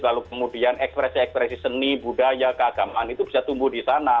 lalu kemudian ekspresi ekspresi seni budaya keagamaan itu bisa tumbuh di sana